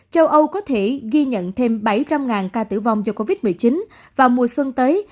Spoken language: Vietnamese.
châu âu có thể ghi nhận thêm bảy trăm linh ca tử vong do covid một mươi chín vào mùa xuân tới